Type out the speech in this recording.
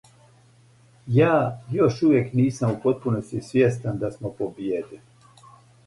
Ја још увијек нисам у потпуности свјестан да смо побиједили.